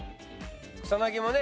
草薙もね